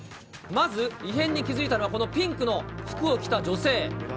まず異変に気付いたのは、このピンクの服を着た女性。